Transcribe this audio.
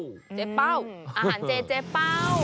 เจ๊เป้าอาหารเจเจเป้า